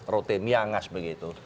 rote miangas begitu